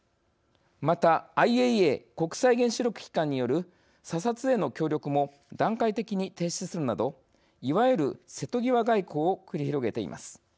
またＩＡＥＡ＝国際原子力機関による査察への協力も段階的に停止するなどいわゆる「瀬戸際外交」を繰り広げています。